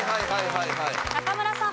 中村さん。